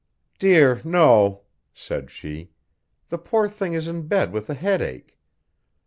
'Dear! no!' said she. 'The poor thing is in bed with a headache.'